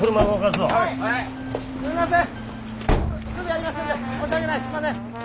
すいません！